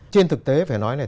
trên thực tế phải nói này